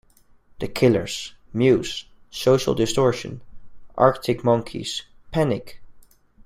The Killers, Muse, Social Distortion, Arctic Monkeys, Panic!